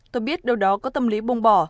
tôi biết đâu đó có tâm lý bông bỏ